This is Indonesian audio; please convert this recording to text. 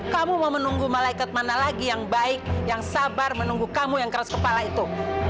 kamu mau menunggu malaikat mana lagi yang baik yang sabar menunggu kamu yang keras kepala itu